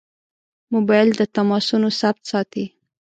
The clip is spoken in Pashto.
موبایل د تماسونو ثبت ساتي.